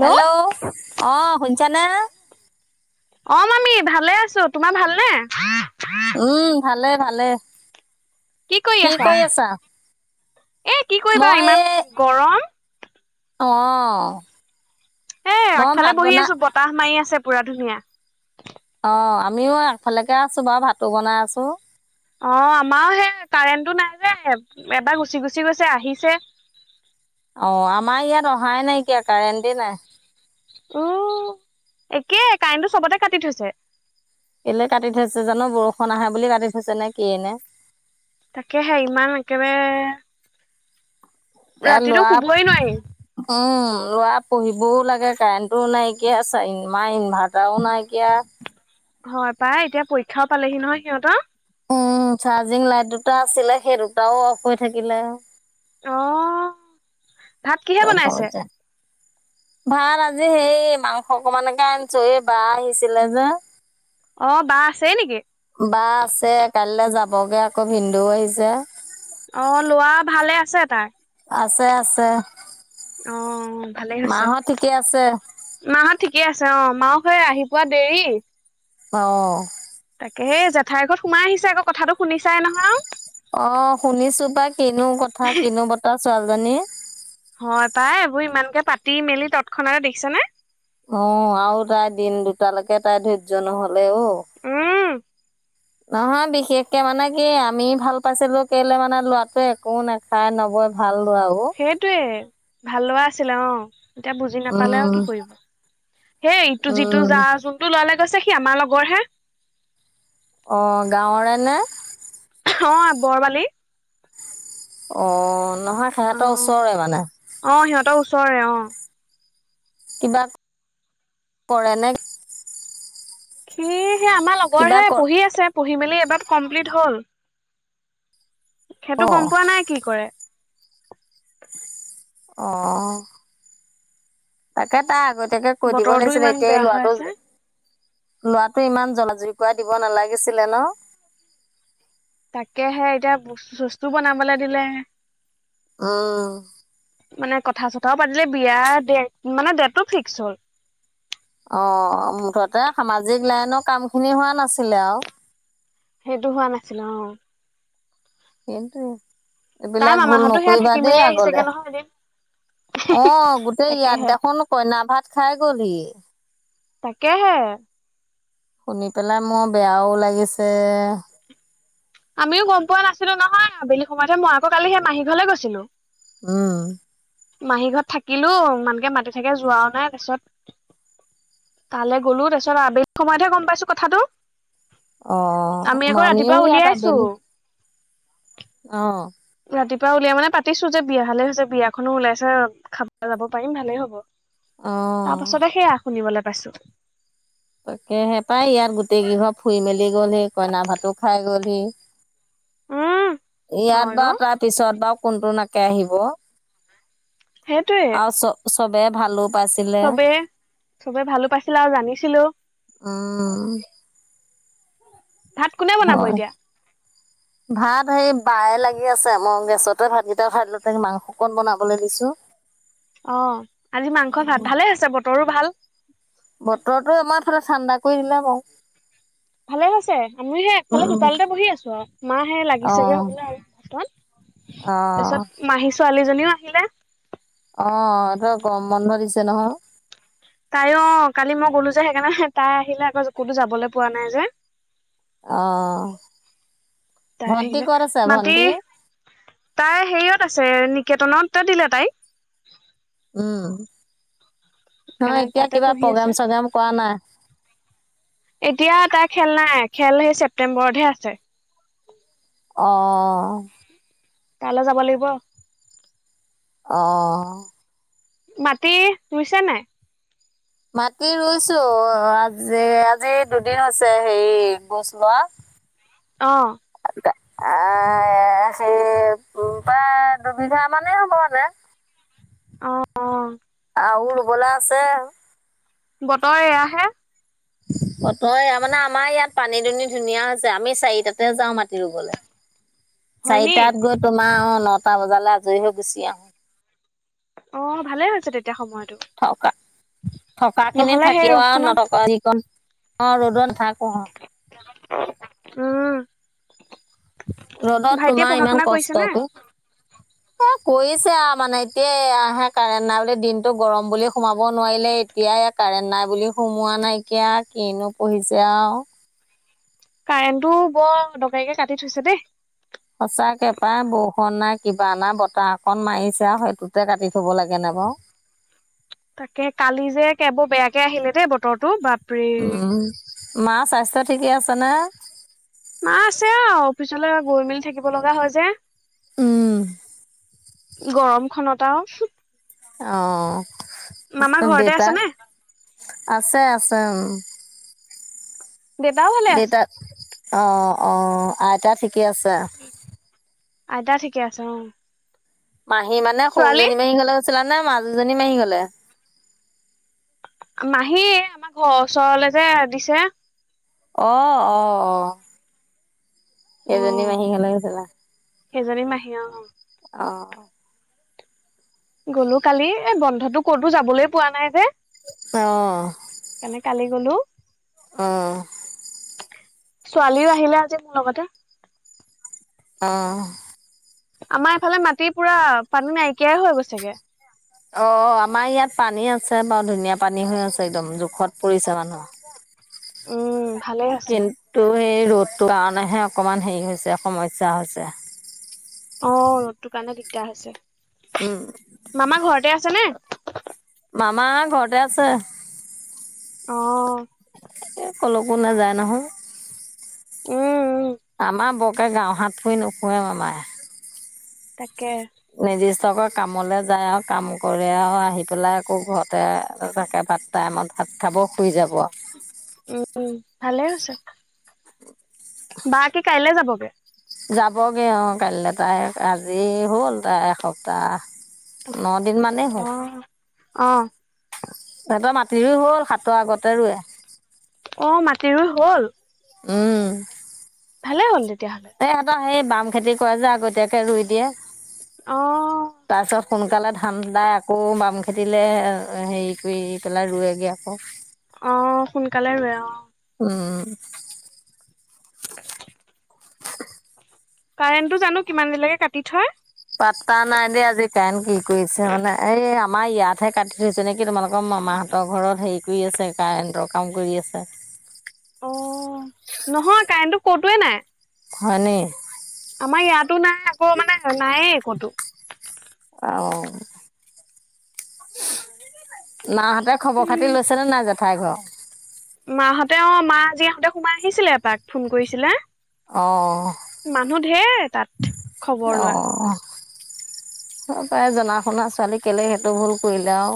Hello অ, শুনিছানে? অ, মামি ভালে আছো, তোমাৰ ভালনে? উম, ভালে, ভালে কি কৰি আছা? এ, কি কৰিবা, ইমান গৰম। আহ। এ, আগফালে বহি আছো, বতাহ মাৰি আছে, পুৰা ধুনীয়া। অ, আমিও আগফালেকে আছো, বাৰু ভাতো বনাই আছো। অ, আমাৰো সেই কাৰেণ্টটো নাই যে, এবাৰ গুচি, গুচি গৈছে আহিছে। [inaudible] অ, আমাৰ ইয়াত অহাই, নাইকিয়া কাৰেণ্টি নাই। উ, একে কাৰেণ্টো চবতে কাটি থৈছে। কেলে কাটি থৈছে জানো বৰষুণ আহে বুলি কাটি থৈছে নে, কনে। তাকেহে ইমান একেবাৰে ৰাতিতটো শুবই নোৱাৰি। অ'। লৰা পঢ়িবও লাগে, কাৰেণ্টো নাইকিয়া, মাৰ ইনভাৰ্টাৰো নাইকিয়া। হয়, পায় এতিয়া পৰীক্ষাও পালেহি নহয় সিহঁত। উম, চাৰ্জিং, লাইট দুটা আছিলে, সেই দুটাও অফ হৈ থাকিলে। আহ, ভাত কিহে বনাইছে। সমস্যা ভাত আজি সেই মাংস অকমানকে আনিছো এই বা আহিছিলে যে অ বা আছে নেকি? বা আছে কাইলৈ যাব। ব, বগে আকৌ ভিন্দুও আহিছে। অ, লোৱা ভালে আছে তাই। আছে, আছে। অ, ভালেই হৈছে মাহঁত ঠিকে আছে মাহত। ঠিকে আছে। অ, মাকসে আহি পোৱা দেৰি অ'। তাকে এই জেঠাইৰ ঘৰত সোমাই আহিছে, আক কথাটো শুনিছাই নহয়। অ, শুনিছো বাই কিনো কথা, কিনো বতাহ ছোৱালীজনী। হয়, তাই এইবোৰ ইমানকে পাতি মেলি তৎক্ষণাতে দেখিছ নে। অ, আৰু তাই, দিন দুটালৈকে তাই ধৈৰ্য নহলে অ'। উম নহয়, বিশেষকে মানে কি আমি ভাল পাইছিলো কেলে মানে লৰাটোৱে একো নাখায় নবৈ ভাল। লৰা অ সেইটোৱে ভাল লগা আছিলে অ'। এতিয়া বুজি নাপালে আৰু উম কি কৰিব হেই, ইটো যিটো উম যা যোনটো ললে। কৈছে সি আমাৰ লগৰ হে। অ, গাঁৱৰে নে। অ, বৰবালি। অ, নহয় সিহঁতৰ ওচৰৰে মানে টা ওচৰে অ'। কিবা কৰে নে। সি সেই আমাৰ কিবা লগৰহে কৰ পঢ়ি আছে, পঢ়ি মেলি এবাৰ কমপ্লিট হ'ল। সেইটো অ', গম পোৱা নাই, কি কৰে। আহ, তাকে তাই আগতীয়াকে কৈ দিব বতৰটো লাগিছিলে ইমান এতিয়া বেয়া হৈ লোৱাটো আছে লৰাটো ইমান জাজৰিকৰা দিব নালাগিছিলে ন তাকেহে এতিয়া ব্ত চস্তু বনাবলে দিলে আহ মানে কথা চথাও পাতিলে বিয়াৰ ড মানে ডেটটো ফিক্স হ'ল অ', মুঠতে সামাজিক লাইনৰ কাম খিনি হোৱা নাছিলে আৰু সেইটো হোৱা নাছিলো অ' সন্তে তাৰ এইবিলাক ভুল মামাহতো সেয়া নকৰিবা থাকি দেই মেলি আহিছেগে আগলে নহয় এদিন অ', গোটেই ইয়াত তাকেহে দেখোন কইনা ভাত খাই গ'লহি তাকেহে শুনি পেলাই মোৰ বেয়াও লাগিছে আমিও গম পোৱা নাছিলো নহয় আবেলি সময়তহে মই আকৌ কালি সেই মাহী ঘৰলৈ গৈছিলো উম, মাহী ঘৰত থাকিলো ইমানকে মাতি থাকে যোৱাও নাই তাৰিছত কালে গ'লো তাৰপিছত আবগি সময়তহে গম পাইছো কথাটো অ', আমি আকৌ মামিও ৰাতিপুৱা ইয় ত উলিয়াইছো বেলি অ', ৰাতিপুৱা উলিয়াই মানে পাতিছো যে বিয়া ভালে হৈছে বিয়াখনো উওলাইছে খাব যাব পাৰিম ভালে হ'ব তাৰ পাছতে সেয়া অ', শুনিবলৈ পাইছো তাকে সেপাই ইয়াত গোটেইকেইঘৰ ফুৰি মেলি গলহি কইনা ভাতো খাই গলহি উম ইয়াত হয় অ বাৰু তাৰপিছত বাৰু কোনটো নাকে আহিব সেইটোৱে আৰু চ চবেই ভালো পাইছিলে চবে চবে ভালো পাইছিলে আৰু জানিছিলো অ', ভাত কোনে বনাব এতিয়া ভাত হে বায়ে লাগি আছে মই গেছতে ভাতকেইটা খাইলো মাংসকন বনাবলৈ দিছো অ', আজি মাংস ভাত ভালে আছে বতৰো ভাল বতৰৰতটো আমাৰ ফালে ঠাণ্ডা কৰি দিলা বাৰু ভালে আছে আমি সেফালে উম চোতালতে বহি আছো আৰু মা সে লাগি চাগে অহ। হব আৰু অহ তাৰিছত মাহী ছোৱালীজনীও আহিলে আহ এই তই কম বন্ধ দিছে নহয় তাই অ কালি মই গলো যে সেইকাৰণে তাই আহিলে আকৌ ক'তো যাবলৈ পোৱা নাই যে অহ, তাই ভন্টি আহিলে ক'ত আছে মাটি ভন্টি তাই হেৰিয়ত আছে কেতনত দিলে তাইক উম, নহ সেইকাৰণে এতিয়া তাতে কিবা পঢ়ি আছে প্ৰগ্ৰেম চগ্ৰেম কৰা নাই এতিয়া তাৰ খেল নাই খেল সেই ছেপ্তেম্বৰতহে আছে অ কাইলৈ যাব লাগিব অ', মাটি ৰুইছে নাই মাি ৰুইছো আজি আজি দুদিন হৈছে হেৰি গোছ লোৱা অহ, এ সেই প্ৰায় দুবিঘা মানেই হ'ব আতে অ', অ', আহুল বলা আছে বতৰ এয়াহে কত মানে আমাৰ ইয়াত পানী দুনি ধুনীয়া হৈছে আমি চাৰিটাতে যাওঁ মাটি ৰুবলৈ হয়নি চাৰিটাত গৈ তোমাৰ অ নটা বজালৈ আজৰি হৈ গুচি আহো অ ভালে হৈছে তেতিয়া সময়ত থকা থকা খিনি নহলে সেই থাকিব আৰু ৰূপখনত নথকা অ ৰ'দত থাকো উম ৰ'দত ভাইটিয়ে তোমাৰ পঢ়া ইমান শুনা কৰিছে নে কষ্টকে এ কৰিছে মানে এতিয়া আহে কাৰেণ্ট নাই ব দিনতটো গৰম বুলি সোমাব নোৱাৰিলে এতিয়া কাৰেণ্ট নাই বুলি সোমোৱা নাইকিয়া কিনো পঢ়িছে আৰু কাৰেণ্টটো বৰ দৰকাৰীকে কাটি থৈছে দেই সঁচাকে পাই বৰষুণ নাই কিবা নাই বতাহ অকণ মাৰিছে আৰু সেইটোতে কাটি থব লাগে ন বাৰু তাকে কালি যে কেবোৰ বেয়াকে আহিলে দেই বতৰটো বাপৰি মাৰ স্বাস্থ্য ঠিকে আছে ন মা আছে অ অফিচলৈ গৈ মেলি থাকিব লগা হয় যে উম গৰম খতা মামা অ ঘৰতে দেউতা আছে নে আছে আছে উ অ দেউতাও ভালে আছে অঁ অঁ আইতা ঠিকে আছে আইতা ঠিকে আছে অ মাহী মানে ছোৱালী সৰুজনী মাহি গলে হৈছিলা নে মাজুজনী মাহি গলে মাহী আমাৰ ঘৰৰ ওচৰলে যে দিছে অ অ অ অ সেইজনী মাহীক ল গৈছিলে সেইজনী মাহী হম অ গ'লো কালি এ বন্ধতটো ক'তো যাবলৈ পোৱা নাই যে সেইকাৰণে অ কালি গলো অ ছোৱালীও আহিলে আজি মোৰ লগতে অ আমাৰ এইফালে মাটিৰ পুৰা পানী নাইকিয়াই হৈ গৈছেগে অ আমাৰ ইয়াত পানী আছে বাৰু ধুনীয়া পানী হৈ আছে একদম জোখত পৰিছে মানুহ [inaudible] উম ভালে আছে কিন্তু সেই ৰ'দটোৰ কাৰণেহে অকমান হেৰি হৈছে সমস্যা হৈছে অ ৰ'দটোৰ কাৰণে দিগদাৰ উম, হৈছে মামা ঘৰতে আছে নে আমাৰ ঘৰতে আছে অ কলকো নাযায় নহয় উম আমাৰ বকে গাঁওহাত ক নকোৱেম আায় তাকে নিৰ্দিষ্টকৈ কামলে যায় আৰু কাম কৰে আৰু আহি পেলাই আকৌ ঘৰতে চাকে ভাত টাইমত ভাত খাব শুই যাব আৰু। উম উম ভালেই হৈছে বা কি কাইলে যাবগে যাবগে অ কাইলৈ তাই আজি হ'ল তাই এসপ্তাহ ন দিন মানেই হওক অ অ সিহঁতৰ মাটি হ'ল সাতৰ আগতে ৰুোৱে। অ, মাটি ৰুই হ'ল? উম, ভালে হ'ল তেতিয়াহ'লে। সিহঁতৰ এই বাম খেতি কৰা যে আগতীয়াকে ৰুই দিয়ে। অ, তাৰপিছত সোনকালে ধান দাই আকৌ বাম খেতিলে আ হেৰি কৰি পেলাই ৰুৱেগে আকৌ, অ, সোনকালে ৰুৱে অ, উম, কাৰেণ্টটো জানো কিমান দেৰিলেকে কাটি থয়। পাতা নাই দেই আজি কণ্ট কি কৰিছে মানে এই আমাৰ ইয়াতহে কাটি থৈছে নেকি। কি। তোমালোকৰ মামাহঁতৰ ঘৰত হেৰি কৰি আছে কাৰেণ্টৰ কাম কৰি আছে। অ, নহয় কাৰেণ্টটো কতোৱে নাই। হয় নেকি? তো নাই আকৌ মানে নায়ে এ কতো। অ, মাহঁতে খবৰ উম। খাতি লৈছেনে নাই জেঠাই ঘৰ? মাহঁতে অ মা আ যি আহঁতে সোমাই আহিছিলে এপাক ফোন কৰিছিলে। অহ, মানুহ ঢেৰ তাত। খবৰ লোৱা অহ। হয় পাই জনা শুনা ছোৱালী কেলে সেইটো ভুল কৰিলে আৰু।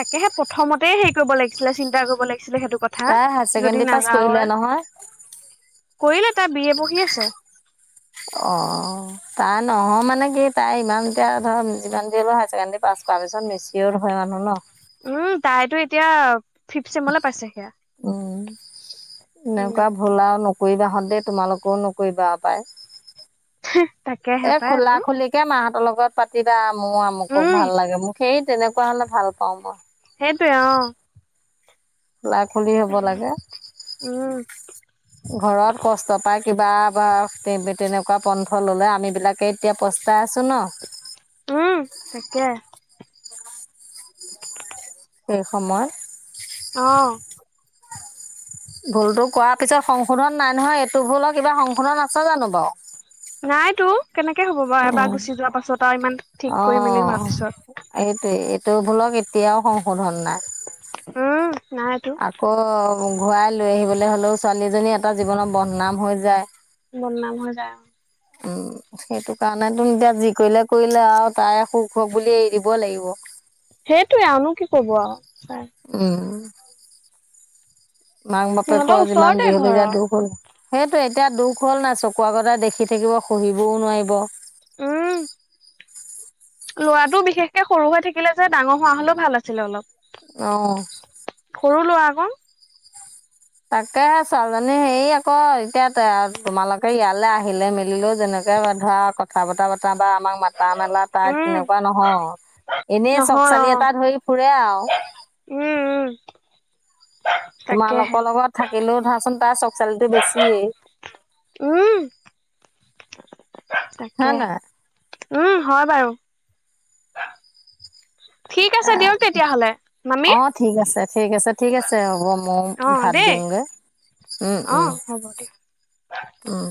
তাকেহে প্ৰথমতে হেৰি কৰিব লাগিছিলে চিন্তা কৰিব লাগিল ছিলে সেইটো কথা, তাই হায়াৰ যদি ছেকেণ্ডৰী পাছ কৰিলে নাযাওঁৱে। নহয়, কৰিলে তাৰ বি এ পঢ়ি আছে। অ, তাই নহয় মানে কি তাই ইমান এতিয়া ধৰ যিমান দে হ'লেও হায়াৰ ছেকেণ্ডৰী পাছ কৰা পিছত মেছিয়ৰ হয় মানুহ ন। উম তাইতো এতিয়া ফিফ্ট চেমলে পাইছে সেয়া। উম, উম এনেকুৱা ভুল আৰু নকৰিবা হঁত দেই তোমালোকেও নকৰিবা পায়। তাকেহে এ, পাই খোলা এইবোৰ খুলিিকে মাহঁতৰ লগত লগত পাতিবা মোৰ আমুকক উম ভাল লাগে মোক সেই তেনেকুৱা হৰণে ভাল পাও মই। সেইটোৱে অ', খোলা খুলি হব লাগে উম। ঘৰত কষ্ট পাই কিবা বা তেনেকুৱা পন্থ ল'লে আমিবিলাকে এতিয়া প্ৰস্তাই আছোঁ। ন উম, তাকে। সেই সময়। আহ, ভুলতো কৰাৰ পিছত সংশোধন নাই নহয় এইটো ভুল হ কিবা সংশোধন আছে জানো বাৰু? নাইতো কেনেকে হ'ব বাৰু এবাৰ গুচি যোৱা পাছত আৰু ইমান ঠিক কৰি মেলি অঁ হোৱাৰ পিছত। এইটোৱে এইটো বুলক এতিয়াও সংশোধন নাই। হম, আকৌ ঘূৰাই লৈ আহিবলৈ হ'লেও ছোৱালীজনী এটা জীৱনৰত বদনাম হৈ যায়। বদনাম হৈ যায় অ, উম, সেইটো কাৰণে তুম এতিয়া যি কৰিলে কৰিলে আৰু তাই সুখ বুলি এৰি দিব লাগিব। সেইটোয়ে আৰু নো কি কব আৰু? চাই উম, মাক বাপেক সিহঁতৰ যিমান ওচৰতে যিহল ঘৰৰ যায় দুখ হল। সেইটো এতিয়া দুখ হ'ল নাই চকু আগতে দেখি থাকিব শহিবও নোৱাৰিব। উম, ল'ৰাটো বিশেষকে সৰু হৈ থাকিলে যে ডাঙৰ হোৱা হলেও ভাল আছিলে অ', অলপ। সৰু লৰা আকৌ। তাকে ছোৱালীজনী হেৰি আকৌ এতিয়া তোমালোকে ইয়ালৈ আহিলে মেলিলেও যেনেক তকে ধৰা কথা বতৰা বতৰা বা আমাক মাতা মেলা তাই উম তেনেকুৱা নহয়। এনেই চক নহয় অ চালি এটা ধৰি ফুৰে আও উম, উম। তাকেহে তোমালোকৰ লগত থাকিলেও ধৰাচোন তাৰ চব চালিতো বেছি। উম। হয় তাকে, নাই? উম হয় বাৰু। ঠিক আছে দিয়ক তেতিয়াহ'লে মামি অ', ঠিক আছে, ঠিক আছে ঠিক, আছে হ'ব। ময়ো অ ভাত দেই দিওগে উম, অ উম, হ'ব দিয়ক উম।